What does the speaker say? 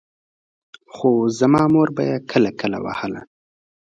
خو زما مور به يې کله کله وهله.